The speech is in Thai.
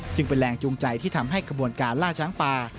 จึงเป็นแรงจูงใจที่ทำให้กระบวนการล่าช้างป่า